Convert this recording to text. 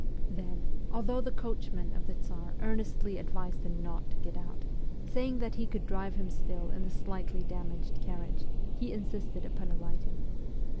Then, although the coachman of the Tsar earnestly advised him not to get out, saying that he could drive him still in the slightly damaged carriage, he insisted upon alight ing.